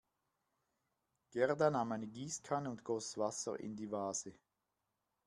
Gerda nahm eine Gießkanne und goss Wasser in die Vase.